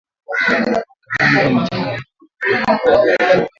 Kaanga mchanganyiko kwa kukoroga vizuri